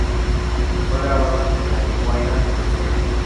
Fue grabada en La Guaira, Venezuela.